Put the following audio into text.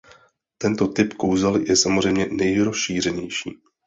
Tento typ kouzel je samozřejmě nejrozšířenější.